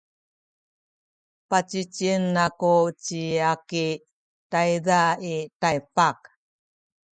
pacicien aku ci Aki tayza i Taypak.